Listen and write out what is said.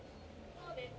そうです。